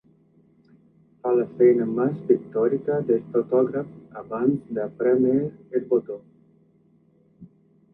Fa la feina més pictòrica del fotògraf abans de prémer el botó.